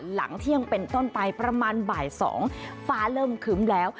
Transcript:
หลังเที่ยงเป็นต้นไปประมาณบ่าย๒ฟ้าเริ่มคึ้มแล้ว